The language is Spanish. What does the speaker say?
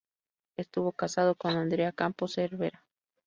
Estuvo casado con Andrea Campos Cervera.